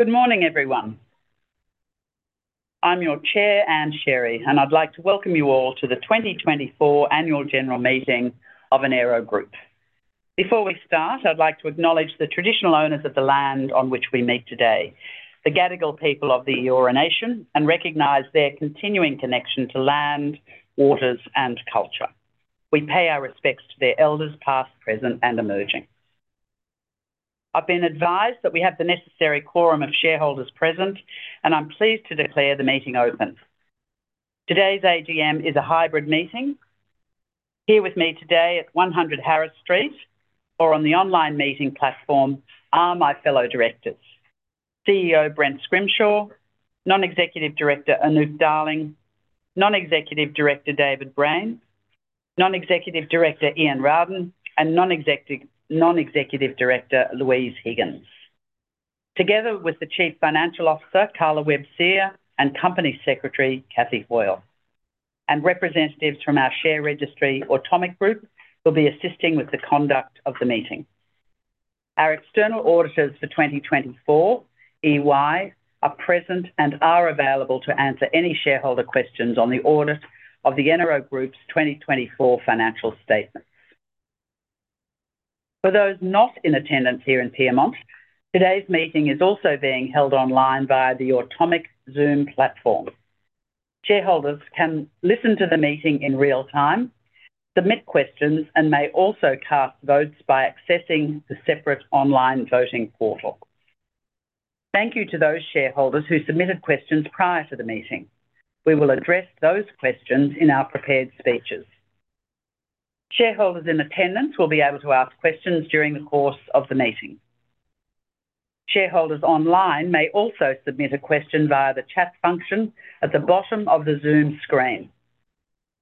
Good morning, everyone. I'm your Chair, Ann Sherry, and I'd like to welcome you all to the 2024 Annual General Meeting of Enero Group. Before we start, I'd like to acknowledge the traditional owners of the land on which we meet today, the Gadigal people of the Eora Nation, and recognize their continuing connection to land, waters, and culture. We pay our respects to their elders, past, present, and emerging. I've been advised that we have the necessary quorum of shareholders present, and I'm pleased to declare the meeting open. Today's AGM is a hybrid meeting. Here with me today at 100 Harris Street or on the online meeting platform are my fellow directors. CEO Brent Scrimshaw, Non-Executive Director Anouk Darling, Non-Executive Director David Brain, Non-Executive Director Ian Rowden, and Non-Executive Director Louise Higgins. Together with the Chief Financial Officer, Carla Webb-Sear, and Company Secretary, Cathy Hoyle, and representatives from our share registry, Automic Group, will be assisting with the conduct of the meeting. Our external auditors for 2024, EY, are present and are available to answer any shareholder questions on the audit of the Enero Group's 2024 financial statements. For those not in attendance here in Pyrmont, today's meeting is also being held online via the Automic Zoom platform. Shareholders can listen to the meeting in real time, submit questions, and may also cast votes by accessing the separate online voting portal. Thank you to those shareholders who submitted questions prior to the meeting. We will address those questions in our prepared speeches. Shareholders in attendance will be able to ask questions during the course of the meeting. Shareholders online may also submit a question via the chat function at the bottom of the Zoom screen.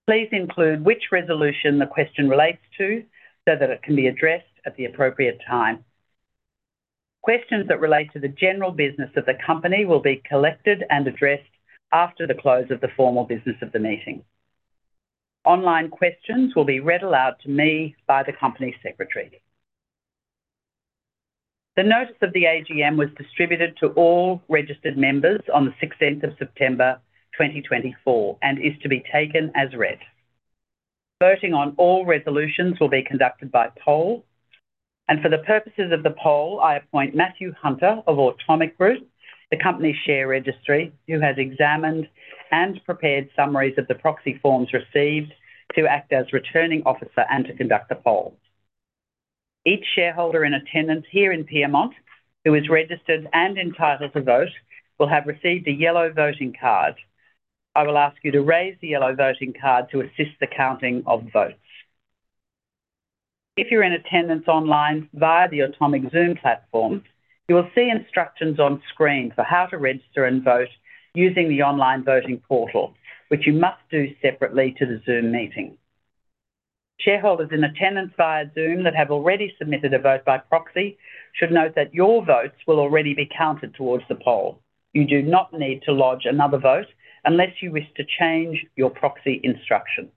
Please include which resolution the question relates to so that it can be addressed at the appropriate time. Questions that relate to the general business of the company will be collected and addressed after the close of the formal business of the meeting. Online questions will be read aloud to me by the Company Secretary. The notice of the AGM was distributed to all registered members on the sixteenth of September 2024 and is to be taken as read. Voting on all resolutions will be conducted by poll, and for the purposes of the poll, I appoint Matthew Hunter of Automic Group, the company share registry, who has examined and prepared summaries of the proxy forms received, to act as Returning Officer and to conduct the poll. Each shareholder in attendance here in Pyrmont who is registered and entitled to vote will have received a yellow voting card. I will ask you to raise the yellow voting card to assist the counting of votes. If you're in attendance online via the Automic Zoom platform, you will see instructions on screen for how to register and vote using the online voting portal, which you must do separately to the Zoom meeting. Shareholders in attendance via Zoom that have already submitted a vote by proxy should note that your votes will already be counted towards the poll. You do not need to lodge another vote unless you wish to change your proxy instruction.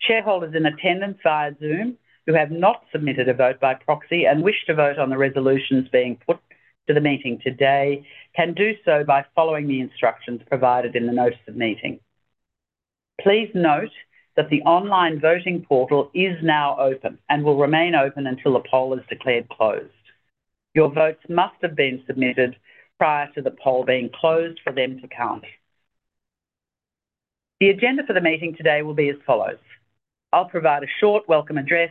Shareholders in attendance via Zoom who have not submitted a vote by proxy and wish to vote on the resolutions being put to the meeting today can do so by following the instructions provided in the notice of meeting. Please note that the online voting portal is now open and will remain open until the poll is declared closed. Your votes must have been submitted prior to the poll being closed for them to count. The agenda for the meeting today will be as follows. I'll provide a short welcome address.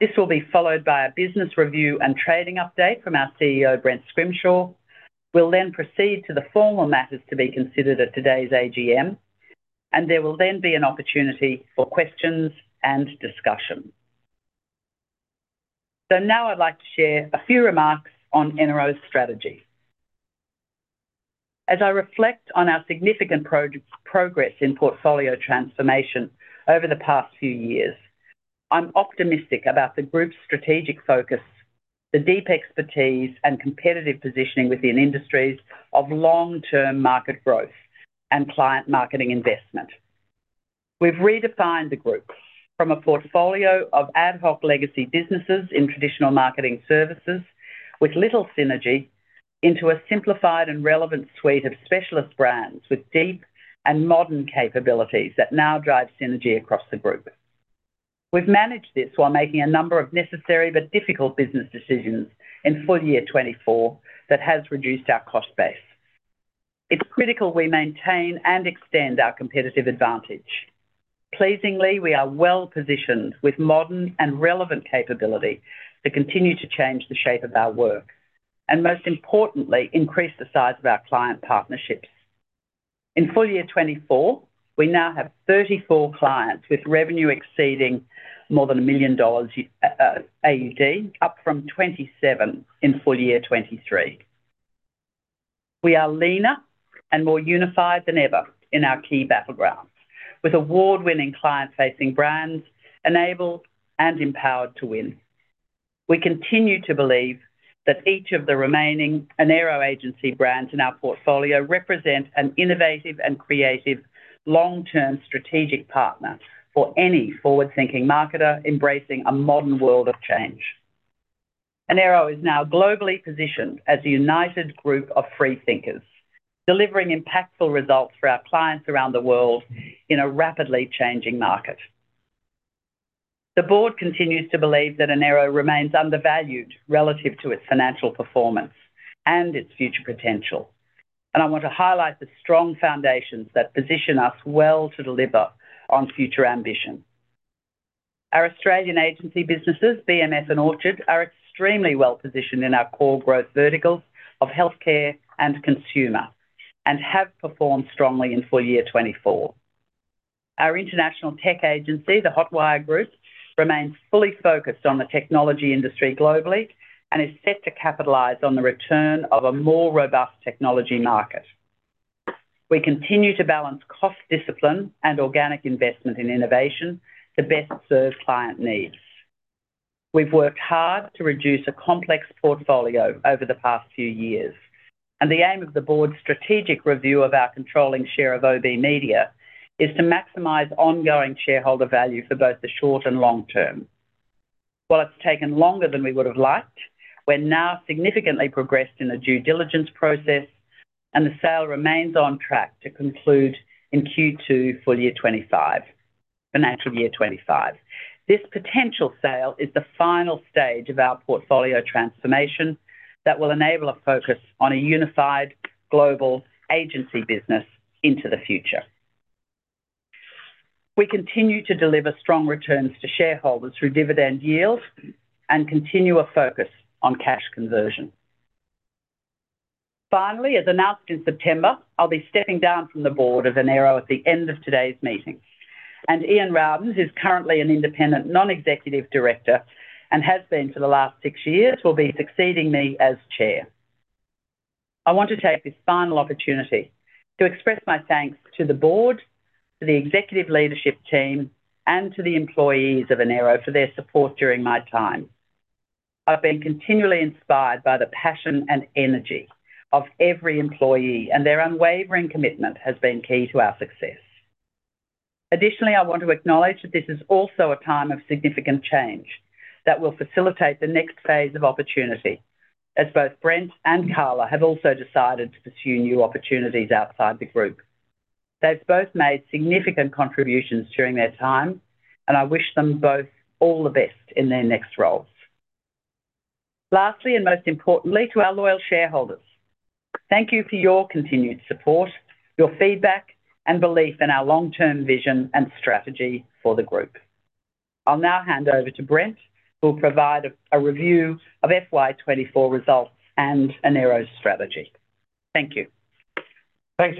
This will be followed by a business review and trading update from our CEO, Brent Scrimshaw. We'll proceed to the formal matters to be considered at today's AGM. There will then be an opportunity for questions and discussion. Now I'd like to share a few remarks on Enero's strategy. As I reflect on our significant progress in portfolio transformation over the past few years, I'm optimistic about the Group's strategic focus, the deep expertise and competitive positioning within industries of long-term market growth and client marketing investment. We've redefined the Group from a portfolio of ad hoc legacy businesses in traditional marketing services with little synergy into a simplified and relevant suite of specialist brands with deep and modern capabilities that now drive synergy across the Group. We've managed this while making a number of necessary but difficult business decisions in FY 2024 that has reduced our cost base. It's critical we maintain and extend our competitive advantage. Pleasingly, we are well-positioned with modern and relevant capability to continue to change the shape of our work, and most importantly, increase the size of our client partnerships. In full year 2024, we now have 34 clients, with revenue exceeding more than 1 million dollars, up from 27 in full year 2023. We are leaner and more unified than ever in our key battlegrounds, with award-winning client-facing brands enabled and empowered to win. We continue to believe that each of the remaining Enero agency brands in our portfolio represent an innovative and creative long-term strategic partner for any forward-thinking marketer embracing a modern world of change. Enero is now globally positioned as a united group of free thinkers, delivering impactful results for our clients around the world in a rapidly changing market. The board continues to believe that Enero remains undervalued relative to its financial performance and its future potential. I want to highlight the strong foundations that position us well to deliver on future ambition. Our Australian agency businesses, BMF and Orchard, are extremely well-positioned in our core growth verticals of healthcare and consumer, and have performed strongly in full year 2024. Our international tech agency, the Hotwire Group, remains fully focused on the technology industry globally and is set to capitalize on the return of a more robust technology market. We continue to balance cost discipline and organic investment in innovation to best serve client needs. We've worked hard to reduce a complex portfolio over the past few years, and the aim of the board's strategic review of our controlling share of OBMedia is to maximize ongoing shareholder value for both the short and long term. While it's taken longer than we would have liked, we're now significantly progressed in the due diligence process, and the sale remains on track to conclude in Q2 full year 2025. This potential sale is the final stage of our portfolio transformation that will enable a focus on a unified global agency business into the future. We continue to deliver strong returns to shareholders through dividend yield and continue a focus on cash conversion. Finally, as announced in September, I'll be stepping down from the board of Enero at the end of today's meeting. Ian Rowden, who's currently an independent non-executive director and has been for the last six years, will be succeeding me as Chair. I want to take this final opportunity to express my thanks to the board, to the executive leadership team, and to the employees of Enero for their support during my time. I've been continually inspired by the passion and energy of every employee, and their unwavering commitment has been key to our success. Additionally, I want to acknowledge that this is also a time of significant change that will facilitate the next phase of opportunity, as both Brent and Carla have also decided to pursue new opportunities outside the group. They've both made significant contributions during their time, and I wish them both all the best in their next roles. Lastly, and most importantly, to our loyal shareholders, thank you for your continued support, your feedback and belief in our long-term vision and strategy for the group. I'll now hand over to Brent, who'll provide a review of FY 2024 results and Enero's strategy. Thank you. Thanks,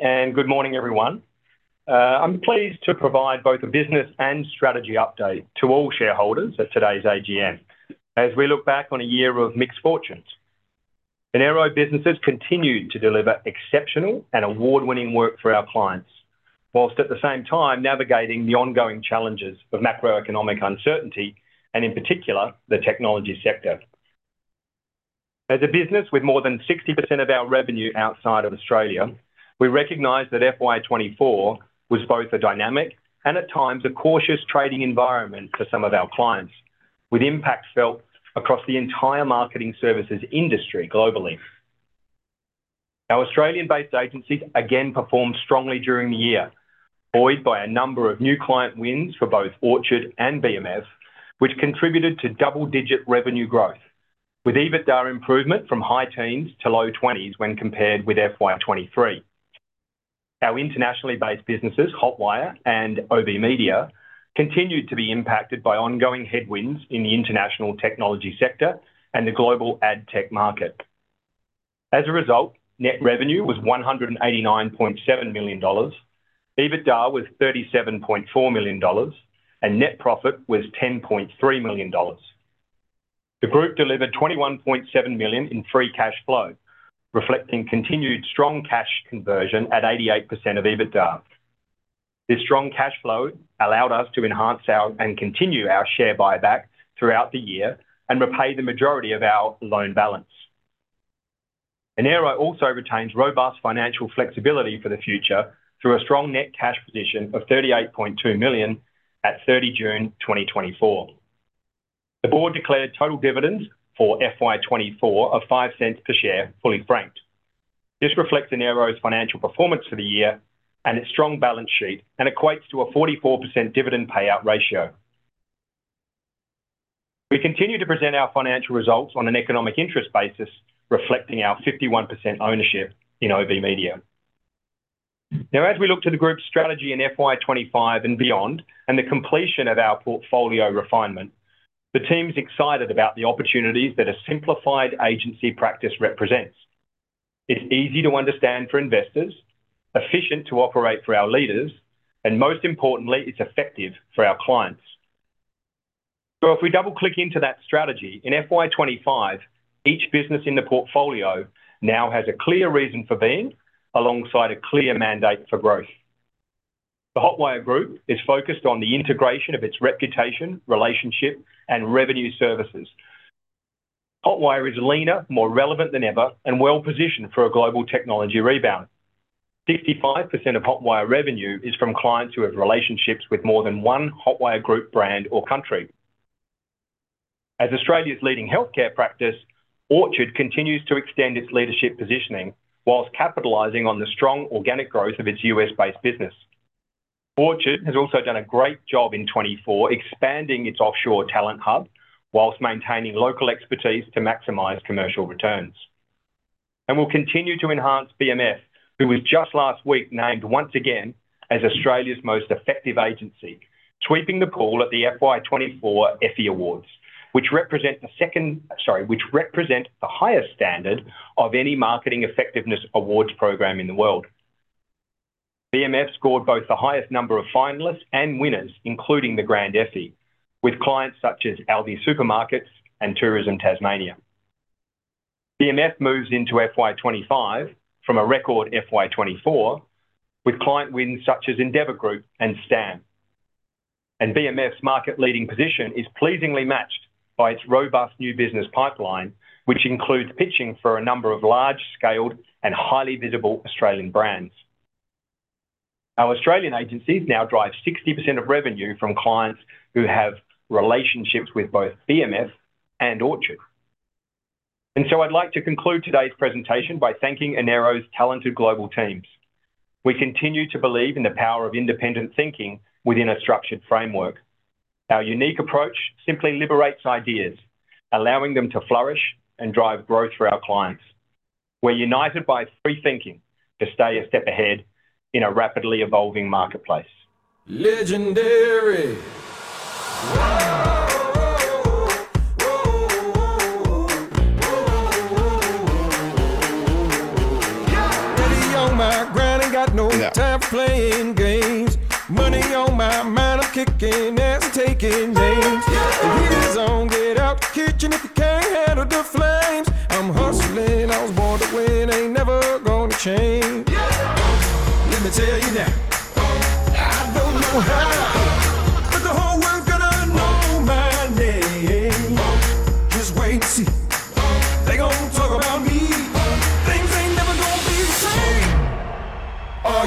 Ann, good morning, everyone. I'm pleased to provide both a business and strategy update to all shareholders at today's AGM as we look back on a year of mixed fortunes. Enero businesses continued to deliver exceptional and award-winning work for our clients, whilst at the same time navigating the ongoing challenges of macroeconomic uncertainty, and in particular, the technology sector. As a business with more than 60% of our revenue outside of Australia, we recognize that FY 2024 was both a dynamic and at times a cautious trading environment for some of our clients, with impacts felt across the entire marketing services industry globally. Our Australian-based agencies again performed strongly during the year, buoyed by a number of new client wins for both Orchard and BMF, which contributed to double-digit revenue growth, with EBITDA improvement from high teens to low twenties when compared with FY 2023. Our internationally based businesses, Hotwire and OBMedia, continued to be impacted by ongoing headwinds in the international technology sector and the global ad tech market. As a result, net revenue was 189.7 million dollars. EBITDA was 37.4 million dollars, and net profit was 10.3 million dollars. The group delivered 21.7 million in free cash flow, reflecting continued strong cash conversion at 88% of EBITDA. This strong cash flow allowed us to enhance our and continue our share buyback throughout the year and repay the majority of our loan balance. Enero also retains robust financial flexibility for the future through a strong net cash position of AUD 38.2 million at 30 June 2024. The board declared total dividends for FY 2024 of 0.05 per share, fully franked. This reflects Enero's financial performance for the year and its strong balance sheet and equates to a 44% dividend payout ratio. We continue to present our financial results on an economic interest basis, reflecting our 51% ownership in OBMedia. As we look to the group's strategy in FY 2025 and beyond and the completion of our portfolio refinement, the team's excited about the opportunities that a simplified agency practice represents. It's easy to understand for investors, efficient to operate for our leaders, and most importantly, it's effective for our clients. If we double-click into that strategy, in FY 2025, each business in the portfolio now has a clear reason for being alongside a clear mandate for growth. The Hotwire Group is focused on the integration of its reputation, relationship, and revenue services. Hotwire is leaner, more relevant than ever, and well-positioned for a global technology rebound. 55% of Hotwire revenue is from clients who have relationships with more than one Hotwire Group brand or country. As Australia's leading healthcare practice, Orchard continues to extend its leadership positioning while capitalizing on the strong organic growth of its U.S.-based business. Orchard has also done a great job in 2024 expanding its offshore talent hub while maintaining local expertise to maximize commercial returns. We'll continue to enhance BMF, who was just last week named once again as Australia's most effective agency, sweeping the pool at the FY 2024 Effie Awards, which represent the highest standard of any marketing effectiveness awards program in the world. BMF scored both the highest number of finalists and winners, including the Grand Effie, with clients such as ALDI Supermarkets and Tourism Tasmania. BMF moves into FY 2025 from a record FY 2024 with client wins such as Endeavour Group and Stan. BMF's market-leading position is pleasingly matched by its robust new business pipeline, which includes pitching for a number of large-scaled and highly visible Australian brands. Our Australian agencies now drive 60% of revenue from clients who have relationships with both BMF and Orchard. I'd like to conclude today's presentation by thanking Enero's talented global teams. We continue to believe in the power of independent thinking within a structured framework. Our unique approach simply liberates ideas, allowing them to flourish and drive growth for our clients. We're united by free thinking to stay a step ahead in a rapidly evolving marketplace.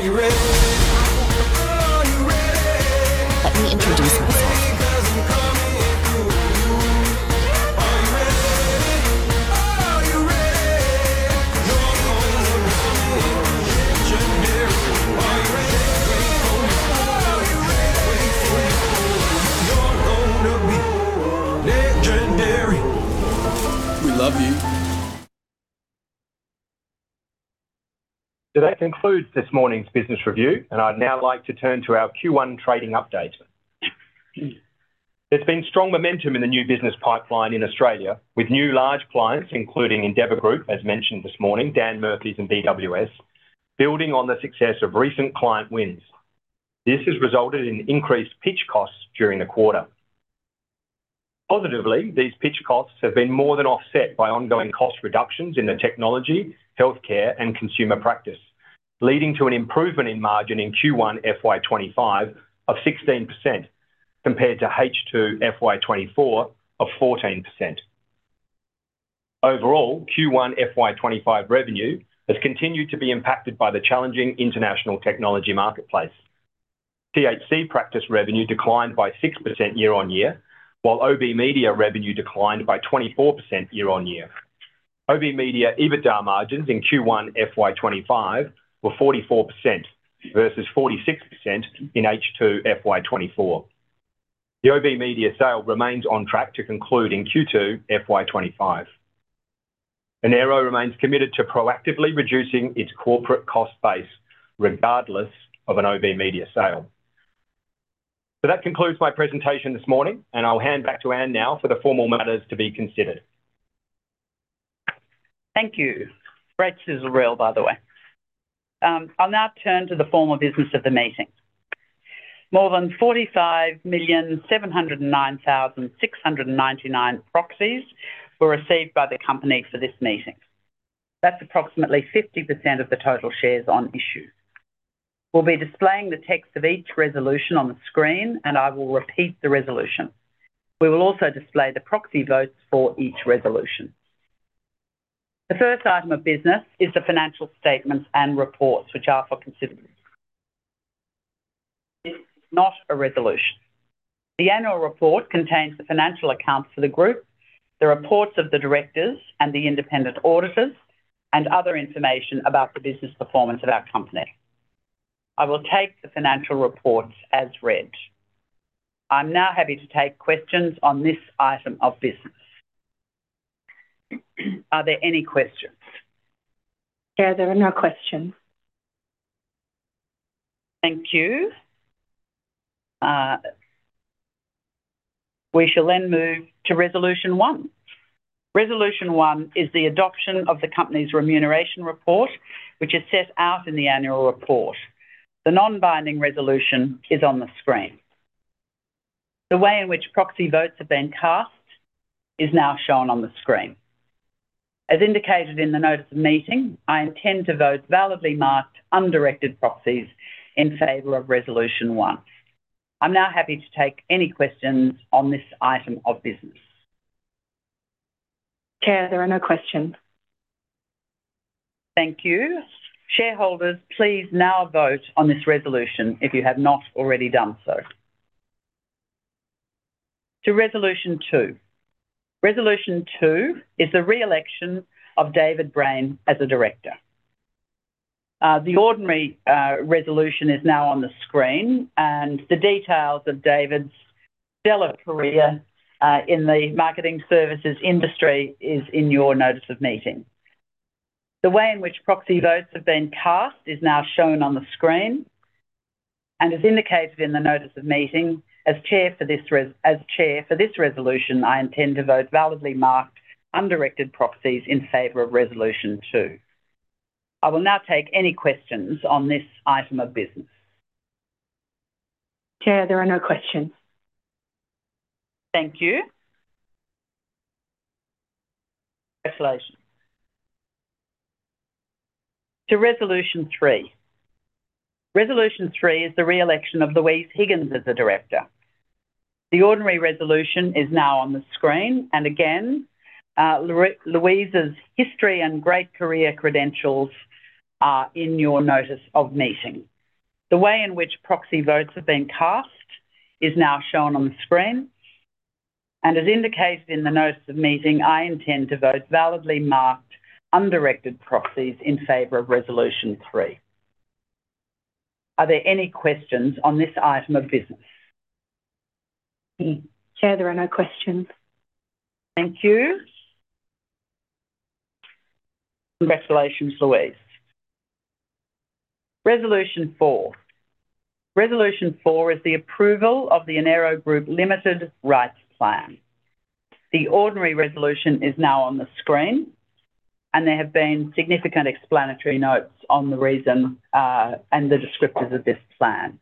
That concludes this morning's business review, and I'd now like to turn to our Q1 trading update. There's been strong momentum in the new business pipeline in Australia, with new large clients, including Endeavour Group, as mentioned this morning, Dan Murphy's and BWS, building on the success of recent client wins. This has resulted in increased pitch costs during the quarter. Positively, these pitch costs have been more than offset by ongoing cost reductions in the Technology, Healthcare and Consumer Practice, leading to an improvement in margin in Q1 FY 2025 of 16% compared to H2 FY 2024 of 14%. Overall, Q1 FY 2025 revenue has continued to be impacted by the challenging international technology marketplace. THC practice revenue declined by 6% year-on-year, while OBMedia revenue declined by 24% year-on-year. OBMedia EBITDA margins in Q1 FY 2025 were 44% versus 46% in H2 FY 2024. The OBMedia sale remains on track to conclude in Q2 FY 2025. Enero remains committed to proactively reducing its corporate cost base regardless of an OBMedia sale. That concludes my presentation this morning, and I'll hand back to Ann now for the formal matters to be considered. Thank you. Great sizzle reel, by the way. I'll now turn to the formal business of the meeting. More than 45,709,699 proxies were received by the company for this meeting. That's approximately 50% of the total shares on issue. We'll be displaying the text of each resolution on the screen, and I will repeat the resolution. We will also display the proxy votes for each resolution. The first item of business is the financial statements and reports, which are for consideration. It's not a resolution. The annual report contains the financial accounts for the group, the reports of the directors and the independent auditors, and other information about the business performance of our company. I will take the financial reports as read. I'm now happy to take questions on this item of business. Are there any questions? Yeah, there are no questions. Thank you. We shall move to resolution one. Resolution one is the adoption of the company's remuneration report, which is set out in the annual report. The non-binding resolution is on the screen. The way in which proxy votes have been cast is now shown on the screen. As indicated in the notice of meeting, I intend to vote validly marked undirected proxies in favor of resolution one. I'm now happy to take any questions on this item of business. Chair, there are no questions. Thank you. Shareholders, please now vote on this resolution if you have not already done so. To resolution two. Resolution two is a re-election of David Brain as a director. The ordinary resolution is now on the screen, the details of David's stellar career in the marketing services industry is in your notice of meeting. The way in which proxy votes have been cast is now shown on the screen, and as indicated in the notice of meeting, as Chair for this resolution, I intend to vote validly marked undirected proxies in favor of resolution two. I will now take any questions on this item of business. Chair, there are no questions. Thank you. Congratulations. To resolution three. Resolution three is the re-election of Louise Higgins as a director. The ordinary resolution is now on the screen, and again, Louise's history and great career credentials are in your notice of meeting. The way in which proxy votes have been cast is now shown on the screen, and as indicated in the notice of meeting, I intend to vote validly marked undirected proxies in favor of resolution three. Are there any questions on this item of business? Chair, there are no questions. Thank you. Congratulations, Louise. Resolution 4. Resolution 4 is the approval of the Enero Group Limited rights plan. The ordinary resolution is now on the screen, and there have been significant explanatory notes on the reason and the descriptors of this plan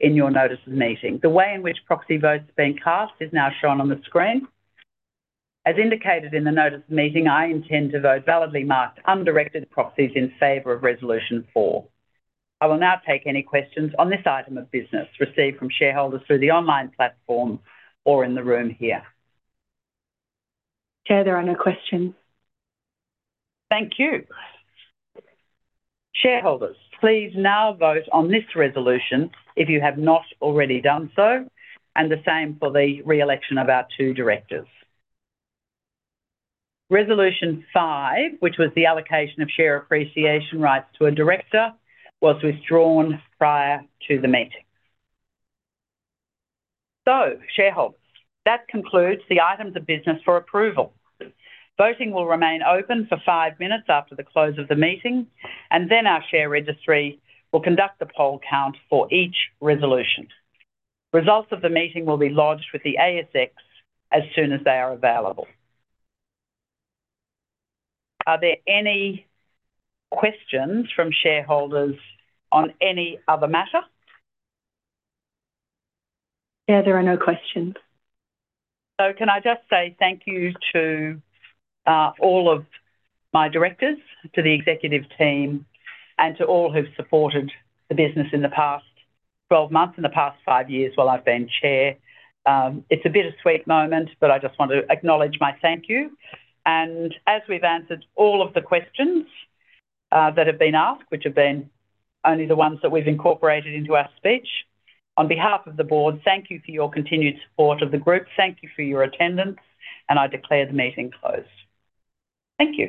in your notice of meeting. The way in which proxy votes have been cast is now shown on the screen. As indicated in the notice of meeting, I intend to vote validly marked undirected proxies in favor of Resolution 4. I will now take any questions on this item of business received from shareholders through the online platform or in the room here. Chair, there are no questions. Thank you. Shareholders, please now vote on this resolution if you have not already done so, and the same for the re-election of our two directors. Resolution 5, which was the allocation of share appreciation rights to a director, was withdrawn prior to the meeting. Shareholders, that concludes the items of business for approval. Voting will remain open for five minutes after the close of the meeting, and then our share registry will conduct a poll count for each resolution. Results of the meeting will be lodged with the ASX as soon as they are available. Are there any questions from shareholders on any other matter? There are no questions. Can I just say thank you to all of my directors, to the executive team, and to all who've supported the business in the past 12 months and the past five years while I've been Chair. It's a bittersweet moment, but I just want to acknowledge my thank you. As we've answered all of the questions that have been asked, which have been only the ones that we've incorporated into our speech, on behalf of the board, thank you for your continued support of the Group, thank you for your attendance, and I declare the meeting closed. Thank you.